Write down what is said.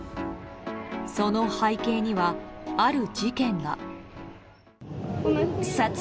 その背景には、ある事件が。